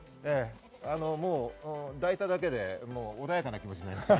もう、抱いただけで穏やかな気持ちになります。